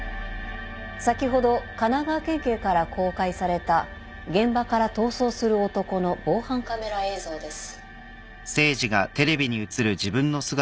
先ほど神奈川県警から公開された現場から逃走する男の防犯カメラ映像です。